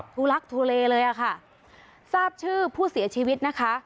ทุลักทุเลเลยอ่ะค่ะทราบชื่อผู้เสียชีวิตนะคะ